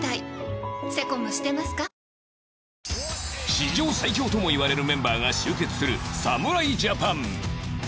史上最強ともいわれるメンバーが集結する侍ジャパン